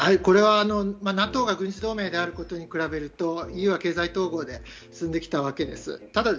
ＮＡＴＯが軍事同盟であることに比べるとＥＵは経済統合で進んできたわけです。